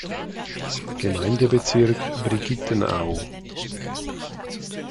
Gemeindebezirk Brigittenau.